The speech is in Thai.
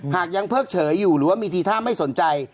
หากยังเพิกเฉยอยู่หรือว่ามีทีท่าไม่สนใจ